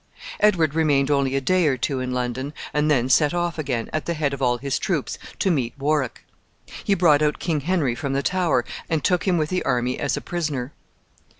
Edward remained only a day or two in London, and then set off again, at the head of all his troops, to meet Warwick. He brought out King Henry from the Tower, and took him with the army as a prisoner.